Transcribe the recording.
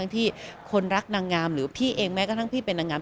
ที่คนรักนางงามหรือพี่เองแม้กระทั่งพี่เป็นนางงาม